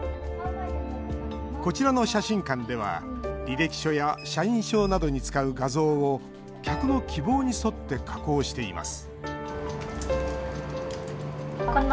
こちらの写真館では履歴書や社員証などに使う画像を客の希望に沿って加工しています